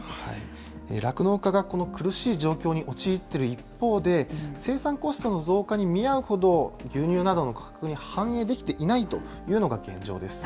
酪農家がこの苦しい状況に陥っている一方で、生産コストの増加に見合うほど、牛乳などの価格に反映できていないというのが現状です。